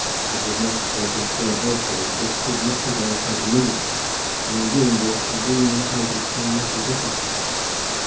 It was necessary to explain also that this could not be done quite immediately, and in doing this the dean encountered some little difficulty.